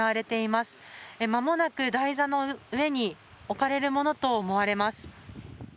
まもなく台座の上に置かれるものと思われます。